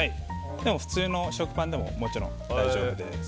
普通の食パンでももちろん大丈夫です。